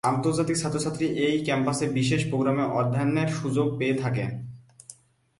আন্তর্জাতিক ছাত্রছাত্রী এই ক্যাম্পাসে বিশেষ প্রোগ্রামে অধ্যয়নের সুযোগ পেয়ে থাকে।